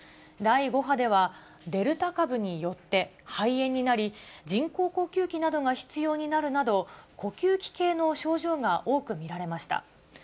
第５波では、デルタ株によって肺炎になり、人工呼吸器などが必要になるなど、呼吸器系の症状が多く見られました。